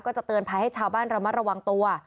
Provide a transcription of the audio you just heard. จะเตือนภัยให้ชาวบ้านระมัดระวังตัว